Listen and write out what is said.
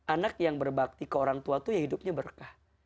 anak yang berbakti ke orang tua itu ya hidupnya berkah